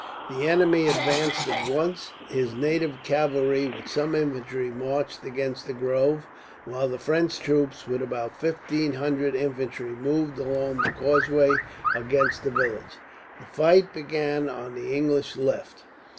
The enemy advanced at once. His native cavalry, with some infantry, marched against the grove; while the French troops, with about fifteen hundred infantry, moved along the causeway against the village. The fight began on the English left.